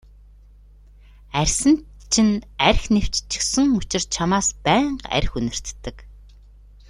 Арьсанд чинь архи нэвччихсэн учир чамаас байнга архи үнэртдэг.